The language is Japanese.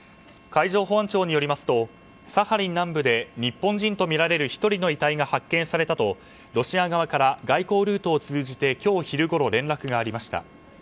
海上保安庁によりますとサハリン南部で日本人とみられる１人の遺体が発見されたとロシア側から外交ルートを通じて今日昼ごろ連絡がありました。